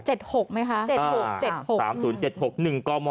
๗๖ไหมคะ